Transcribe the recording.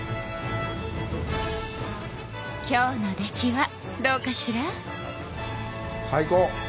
今日の出来はどうかしら？